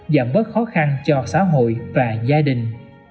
giảm bớt khó khăn cho xã hội và gia đình